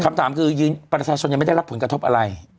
คำถามคือยืนประชาชนยังไม่ได้รับผลกระทบอะไร